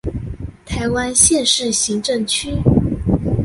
臺灣縣市行政區